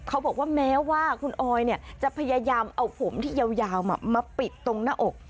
เขาบอกว่าแม้ว่าคุณออยจะพยายามเอาผมที่ยาวมาปิดตรงหน้าอก